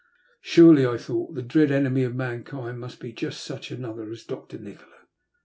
Surely, I thought, the dread enemy of mankind must be just such another as Dr. Nikola.